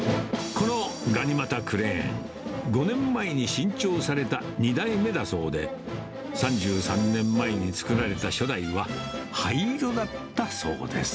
このがにまたクレーン、５年前に新調された２代目だそうで、３３年前に作られた初代は灰色だったそうです。